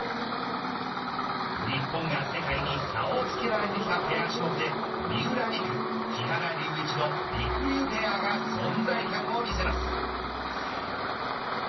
日本が世界に差をつけられてきたペア種目で三浦璃来木原龍一のりくりゅうペアが存在感を見せます。